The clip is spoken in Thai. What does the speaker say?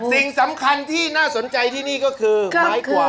สิ่งสำคัญที่น่าสนใจที่นี่ก็คือหมายความ